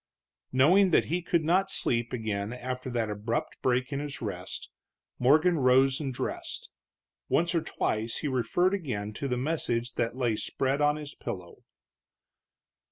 Knowing that he could not sleep again after that abrupt break in his rest, Morgan rose and dressed. Once or twice he referred again to the message that lay spread on his pillow.